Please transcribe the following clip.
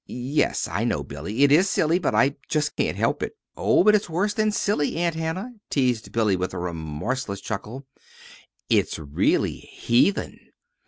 "Yes, I know, Billy, it is silly; but I just can't help it." "Oh, but it's worse than silly, Aunt Hannah," teased Billy, with a remorseless chuckle. "It's really _heathen!